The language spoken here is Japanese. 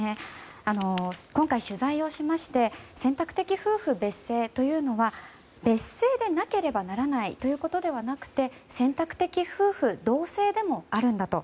今回取材をしまして選択的夫婦別姓というのは別姓でなければならないということではなくて選択的夫婦同姓でもあるんだと。